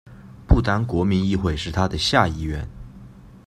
不丹国民议会是它的下议院。